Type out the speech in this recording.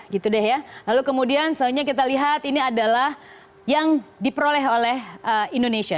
gitu deh ya lalu kemudian selanjutnya kita lihat ini adalah yang diperoleh oleh indonesia